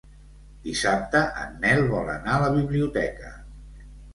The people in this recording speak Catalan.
Dissabte en Nel vol anar a la biblioteca.